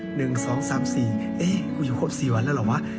หนึ่งสองสามสี่เอ๊ะกูอยู่ครบสี่วันแล้วเหรอวะ